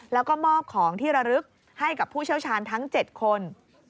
แล้วก็มอบของที่ระลึกให้กับผู้เชี่ยวชาญทั้ง๗คน